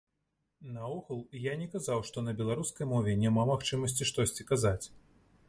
Наогул, я не казаў, што на беларускай мове няма магчымасці штосьці казаць.